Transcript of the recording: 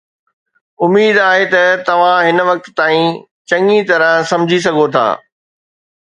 اميد آهي ته توهان هن وقت تائين چڱي طرح سمجهي سگهو ٿا